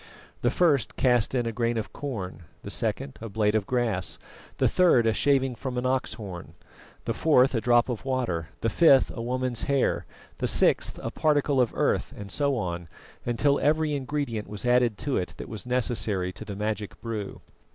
The first cast in a grain of corn; the second, a blade of grass; the third, a shaving from an ox's horn; the fourth, a drop of water; the fifth, a woman's hair; the sixth, a particle of earth; and so on, until every ingredient was added to it that was necessary to the magic brew.